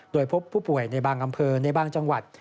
โดยพบผู้ป่วยในบางอำเภอในบางจังหวัด